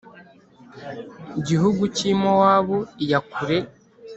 Gihugu cy i mowabu iya kure